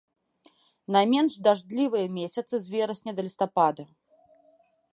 Найменш дажджлівыя месяцы з верасня да лістапада.